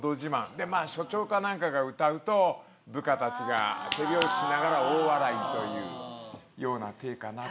で署長か何かが歌うと部下たちが手拍子しながら大笑いというような体かな。